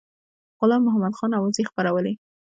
غلام محمدخان اوازې خپرولې.